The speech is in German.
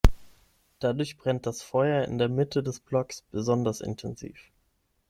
Dadurch brennt das Feuer in der Mitte des Blocks besonders intensiv.